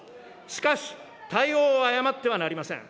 しかし対応を誤ってはなりません。